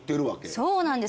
そうなんです。